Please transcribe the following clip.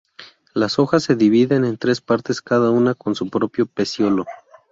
Las hojas se dividen en tres partes, cada una con su propio pecíolo.